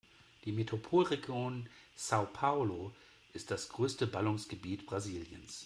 Die Metropolregion São Paulo ist das größte Ballungsgebiet Brasiliens.